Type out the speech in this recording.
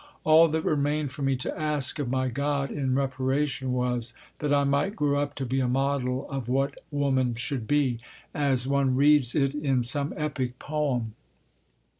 All that remained for me to ask of my God in reparation was, that I might grow up to be a model of what woman should be, as one reads it in some epic poem.